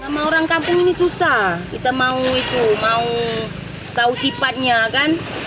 sama orang kampung ini susah kita mau itu mau tahu sifatnya kan